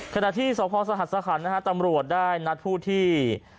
ขณะที่สพสหัสสะขันนะฮะตำรวจได้นัดผู้ที่